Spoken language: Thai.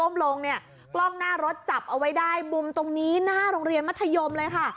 ลงเนี่ยกล้องหน้ารถจับเอาไว้ได้มุมตรงนี้หน้าโรงเรียนมัธยมเลยค่ะ